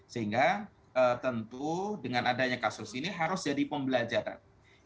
sehingga tentu dengan adanya kasus ini harus jadi pembelajaran